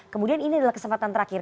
kemudian ini adalah kesempatan terakhir